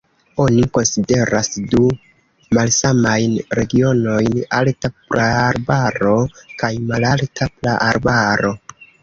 Oni konsideras du malsamajn regionojn: alta praarbaro kaj malalta praarbaro.